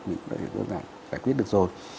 mình có thể đơn giản giải quyết được rồi